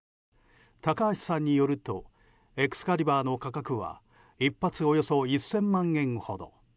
高橋さんによるとエクスカリバーの価格は１発およそ１０００万円ほど。